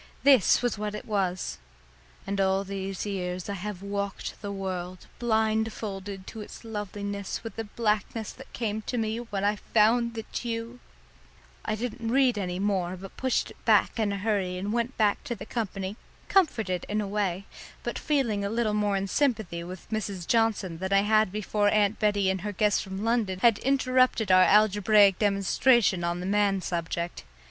This was what it was " and all these years I have walked the world, blindfolded to its loveliness with the blackness that came to me when I found that you " I didn't read any more, but pushed it back in a hurry and went back to the company comforted in a way, but feeling a little more in sympathy with Mrs. Johnson than I had before Aunt Bettie and her guest from London had interrupted our algebraic demonstration on the man subject.